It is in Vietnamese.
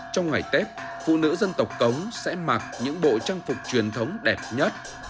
trong ngày tết phụ nữ dân tộc cống sẽ mặc những bộ trang phục truyền thống đẹp nhất